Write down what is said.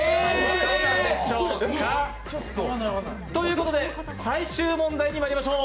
どなたでしょうか。ということで、最終問題にまいりましょう。